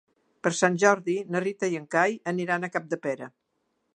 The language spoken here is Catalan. Per Sant Jordi na Rita i en Cai aniran a Capdepera.